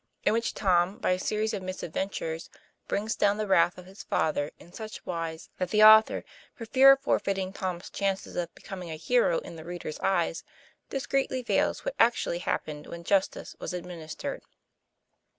IN WHICH TOM BY A SERIES OF MISADVENTURES BRINGS DOWN THE WRA TH OF HIS FA THER IN SUCH WISE THA T THE A UTHOR, FOR FEAR OF FORFEITING TOM'S CHANCES OF BECOMING A HERO IN THE READER'S EYES, DIS CREETLY VEILS WHAT ACTUALLY HAPPENED WHEN JUSTICE WAS ADMINISTERED.